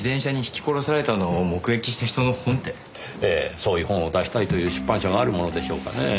そういう本を出したいという出版社があるものでしょうかねぇ。